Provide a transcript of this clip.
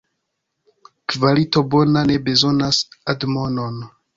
Kvalito bona ne bezonas admonon.